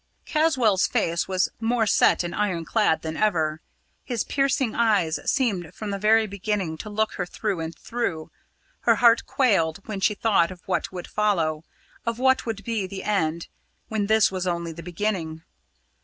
Caswall's face was more set and iron clad than ever his piercing eyes seemed from the very beginning to look her through and through. Her heart quailed when she thought of what would follow of what would be the end, when this was only the beginning.